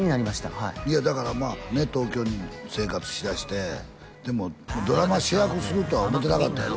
はいだから東京に生活しだしてでもドラマ主役するとは思ってなかったやろ？